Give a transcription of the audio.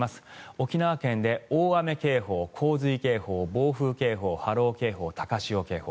沖縄県で大雨警報洪水警報、暴風警報波浪警報、高潮警報。